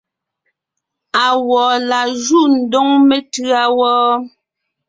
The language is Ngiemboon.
Awɔ̌ laa júʼ ndóŋ matûa wɔ́?